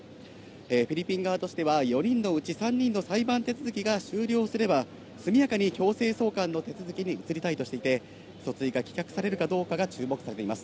フィリピン側としては４人のうち３人の裁判手続きが終了すれば、速やかに強制送還の手続きに移りたいとしていて、訴追が棄却されるかどうか注目されています。